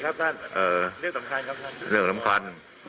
เรื่องลำควัน